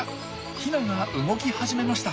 ヒナが動き始めました。